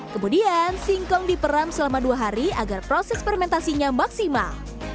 kemudian singkong diperam selama dua hari agar proses fermentasinya maksimal